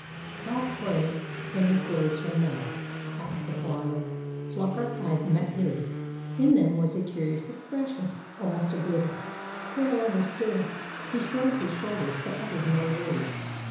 _" "How, pray, can you close her mouth?" asked the foreigner. Flockart's eyes met his. In them was a curious expression, almost a glitter. Krail understood. He shrugged his shoulders, but uttered no word.